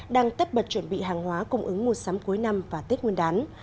đang tất bật chuẩn bị hàng hóa cung ứng mua sắm cuối năm và tết nguyên đán